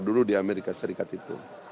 dulu di amerika serikat itu